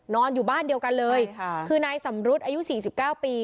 นอนอยู่บ้านเดียวกันเลยค่ะคือนายสำรุธอายุสี่สิบเก้าปี